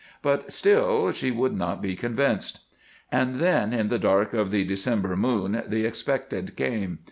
But still she would not be convinced. And then, in the dark of the December moon, the expected came.